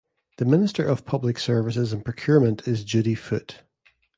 The Minister of Public Services and Procurement is Judy Foote.